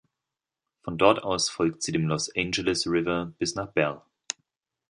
Von dort aus folgt sie dem Los Angeles River bis nach Bell.